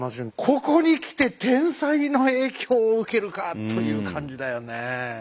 ここに来て天災の影響を受けるかという感じだよねえ。